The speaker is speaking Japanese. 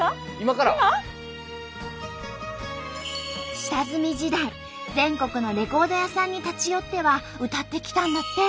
下積み時代全国のレコード屋さんに立ち寄っては歌ってきたんだって。